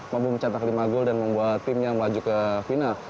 mampu mencetak lima gol dan membuat timnya melaju ke final